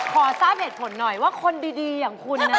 ขอทราบเหตุผลหน่อยว่าคนดีอย่างคุณ